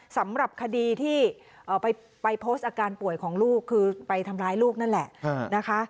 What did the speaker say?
สำหรับคดีที่ไปโพสต์อาการป่วยของลูกคือไปทำร้ายลูกนั่นแหละนะคะ